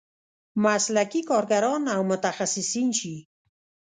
مسلکي کارګران او متخصصین شي.